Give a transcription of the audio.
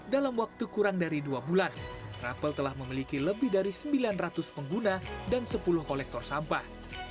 dalam waktu kurang dari dua bulan rapel telah memiliki lebih dari sembilan ratus pengguna dan sepuluh kolektor sampah